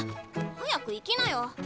早く行きなよ。